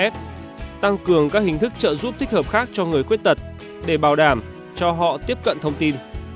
f tăng cường các hình thức trợ giúp thích hợp khác cho người khuyết tật để bảo đảm cho họ tiếp cận thông tin